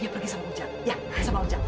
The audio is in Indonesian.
ya pergi sama ujang